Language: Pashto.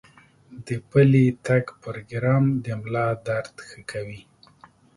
د پلي تګ پروګرام د ملا درد ښه کوي.